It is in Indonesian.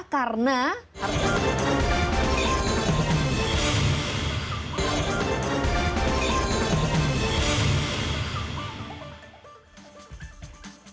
tapi kalau salah karena